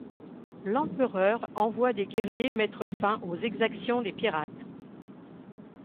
L'empereur envoie des guerriers mettre fin aux exactions des pirates.